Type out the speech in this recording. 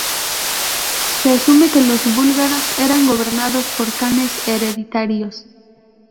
Se asume que los búlgaros eran gobernados por kanes hereditarios.